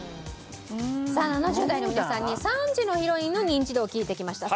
さあ７０代の皆さんに３時のヒロインのニンチドを聞いてきました。